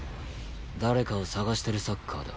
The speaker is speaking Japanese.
誰かを探してるサッカーだ。